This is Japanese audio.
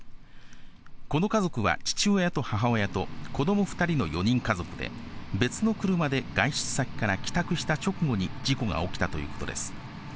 この家族は父親と母親と子ども２人の４人家族で、別の車で外出先から帰宅した直後に事故が起きたということです。